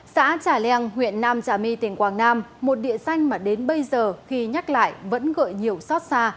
xã trà leng huyện nam trà my tỉnh quảng nam một địa danh mà đến bây giờ khi nhắc lại vẫn gợi nhiều xót xa